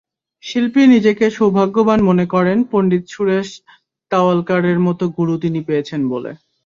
শিল্পী নিজেকে সৌভাগ্যবান মনে করেন পণ্ডিত সুরেশ তাওয়ালকারের মতো গুরু তিনি পেয়েছেন বলে।